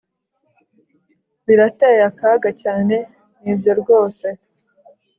Birateye akaga cyane nibyo rwose